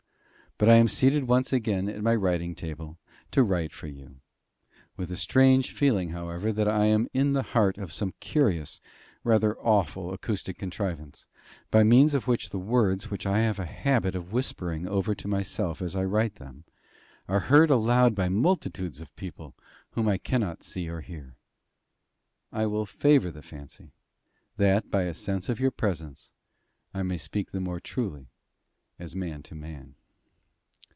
But I am seated once again at my writing table, to write for you with a strange feeling, however, that I am in the heart of some curious, rather awful acoustic contrivance, by means of which the words which I have a habit of whispering over to myself as I write them, are heard aloud by multitudes of people whom I cannot see or hear. I will favour the fancy, that, by a sense of your presence, I may speak the more truly, as man to man.